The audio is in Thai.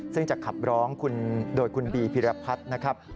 ซึ่งจะขับร้องโดยคุณบีพิรพัฒน์นะครับ